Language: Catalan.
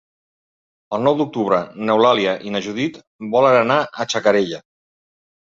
El nou d'octubre n'Eulàlia i na Judit volen anar a Xacarella.